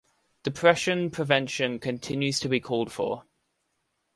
Depression prevention continues to be called for.